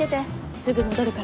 すぐ戻るから。